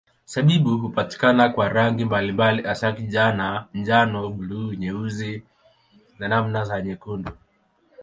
Zabibu hupatikana kwa rangi mbalimbali hasa kijani, njano, buluu, nyeusi na namna za nyekundu.